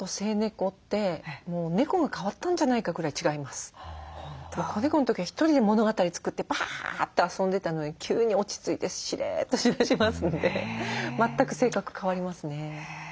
子猫の時は１人で物語作ってバーッと遊んでたのに急に落ち着いてしれっとしだしますんで全く性格変わりますね。